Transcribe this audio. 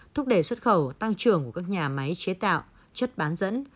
thúc đẩy xuất khẩu tăng trưởng của các nhà máy chế tạo chất bán dẫn